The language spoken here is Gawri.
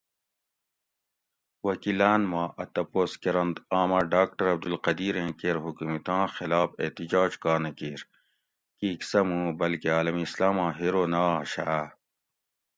وکیلان ما اۤ تپوس کرنت آمہ ڈاکٹر عبدالقدیریں کیر حکومتاں خلاف احتجاج کا نہۤ کیر؟------ کیک سہۤ موں بلکہ عالم اسلاماں ھیرو نہ آش آ ؟